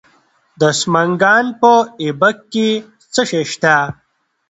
د سمنګان په ایبک کې څه شی شته؟